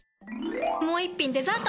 もう一品デザート！